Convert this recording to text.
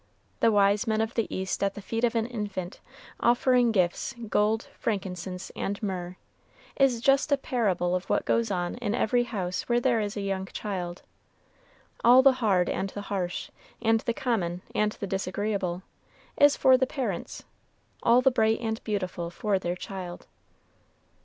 The wise men of the East at the feet of an infant, offering gifts, gold, frankincense, and myrrh, is just a parable of what goes on in every house where there is a young child. All the hard and the harsh, and the common and the disagreeable, is for the parents, all the bright and beautiful for their child.